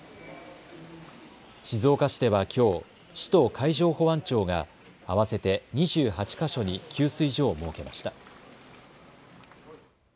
静岡市ではきょう市と海上保安庁が合わせて２８か所に給水所を設けました。